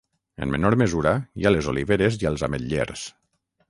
En menor mesura hi ha les oliveres i els ametllers.